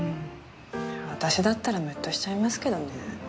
私だったらむっとしちゃいますけどね。